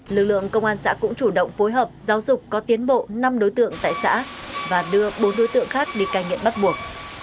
lực lượng công an xã cũng chủ động phối hợp giáo dục có tiến bộ năm đối tượng tại xã và đưa bốn đối tượng khác đi cai nghiện bắt buộc